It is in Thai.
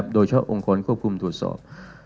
โดยเฉพาะองค์กรควบคุมตรวจสอบ